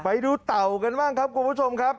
เต่ากันบ้างครับคุณผู้ชมครับ